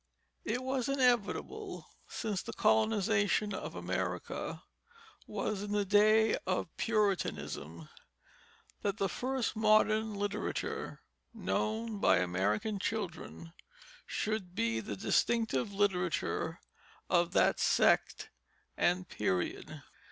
It was inevitable, since the colonization of America was in the day of Puritanism, that the first modern literature known by American children should be the distinctive literature of that sect and period.